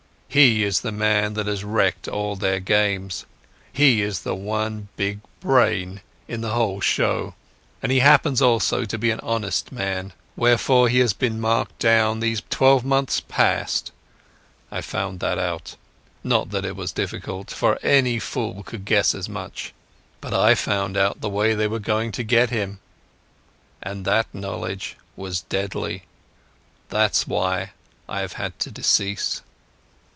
"He is the man that has wrecked all their games. He is the one big brain in the whole show, and he happens also to be an honest man. Therefore he has been marked down these twelve months past. I found that out—not that it was difficult, for any fool could guess as much. But I found out the way they were going to get him, and that knowledge was deadly. That's why I have had to decease."